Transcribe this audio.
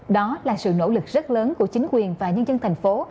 đó là sự nỗ lực rất lớn của chính quyền và nhân dân thành phố